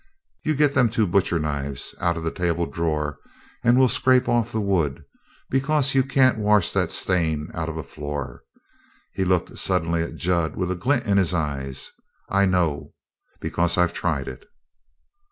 You get them two butcher knives out of the table drawer and we'll scrape off the wood, because you can't wash that stain out'n a floor." He looked suddenly at Jud with a glint in his eyes. "I know, because I've tried it."